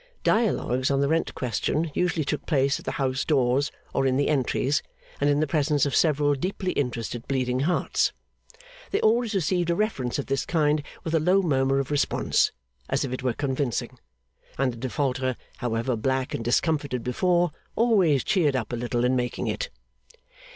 Dialogues on the rent question usually took place at the house doors or in the entries, and in the presence of several deeply interested Bleeding Hearts. They always received a reference of this kind with a low murmur of response, as if it were convincing; and the Defaulter, however black and discomfited before, always cheered up a little in making it.